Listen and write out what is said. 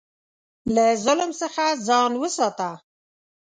له ظلم څخه ځان وساته.